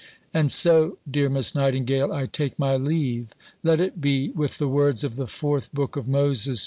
And so, dear Miss Nightingale, I take my leave: let it be with the words of the 4th Book of Moses, ch.